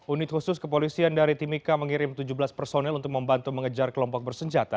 unit khusus kepolisian dari timika mengirim tujuh belas personel untuk membantu mengejar kelompok bersenjata